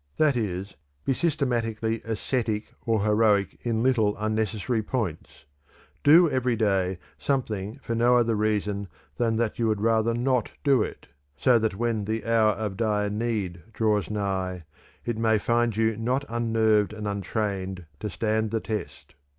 That is, be systematically ascetic or heroic in little, unnecessary points; do every day something for no other reason than that you would rather not do it, so that when the hour of dire need draws nigh, it may find you not unnerved and untrained to stand the test.